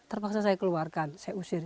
terpaksa saya keluarkan saya usir